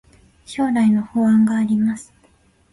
将来の不安があります